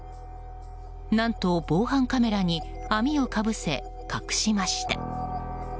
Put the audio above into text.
何と、防犯カメラに網をかぶせ隠しました。